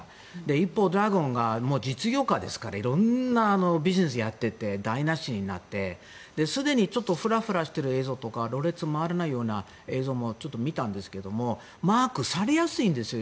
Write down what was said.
一方、Ｇ−ＤＲＡＧＯＮは実業家ですから色んなビジネスをやっていて台なしになってすでにちょっとふらふらしている映像とかろれつが回らない映像もちょっと見たんですがマークされやすいんですよ。